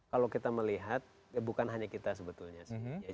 kalau kita melihat bukan hanya kita sebetulnya sih